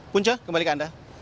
punca kembali ke anda